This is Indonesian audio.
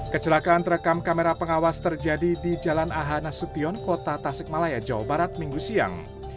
kecelakaan terekam kamera pengawas terjadi di jalan ahanasution kota tasikmalaya jawa barat minggu siang